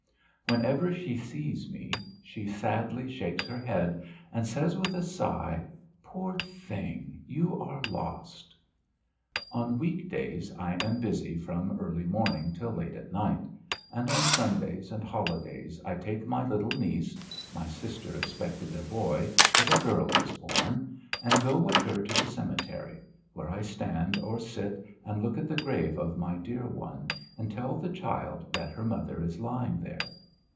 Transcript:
Whenever she sees me she sadly shakes her head and says with a sigh: "Poor thing. You are lost!" On week days I am busy from early morning till late at night. And on Sundays and holidays I take my little niece (my sister expected a boy, but a girl was born) and go with her to the cemetery, where I stand or sit and look at the grave of my dear one, and tell the child that her mother is lying there.